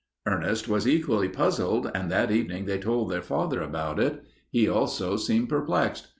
Ernest was equally puzzled, and that evening they told their father about it. He also seemed perplexed.